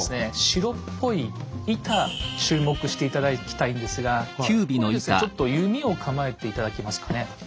白っぽい板注目して頂きたいんですがこれですねちょっと弓を構えて頂けますかね。